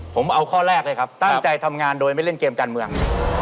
ผมเอาข้อแรกเลยครับตั้งใจทำงานโดยไม่เล่นเกมการเมือง